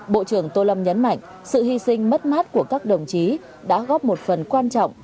bộ trưởng tô lâm nhấn mạnh sự hy sinh mất mát của các đồng chí đã góp một phần quan trọng